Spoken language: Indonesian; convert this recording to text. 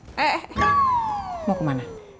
eh eh eh mau ke mana